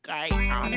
あれ？